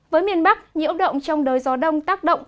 với miền bắc nhiễu động trong đời gió đông tác động